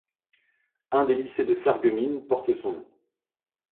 Un des lycées de Sarreguemines porte son nom.